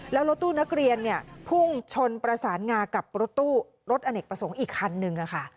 แล้วรถตู้นักเรียนพุ่งชนประสานงากับรถตู้รถอเนกประสงค์อีกคันนึง